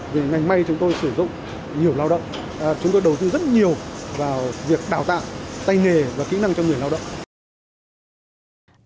vì ngành may chúng tôi sử dụng nhiều lao động chúng tôi đầu tư rất nhiều vào việc đào tạo tay nghề và kỹ năng cho người lao động